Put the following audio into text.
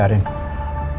om anterin kamu pulang ya